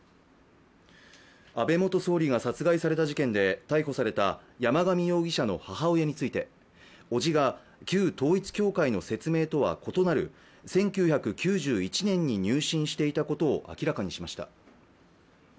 安倍元総理が殺害された事件で逮捕された山上容疑者の母親についておじが旧統一教会の説明とは異なる、１９９１年に入信していたことを明らかにしました。